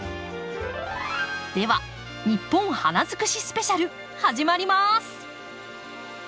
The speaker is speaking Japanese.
では「ニッポン花づくしスペシャル」始まります！